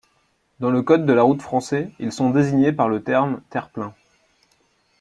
Dans le Code de la route français, ils sont désignés par le terme terre-plein.